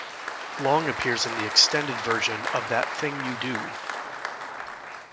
Long appears in the Extended Version of That Thing You Do!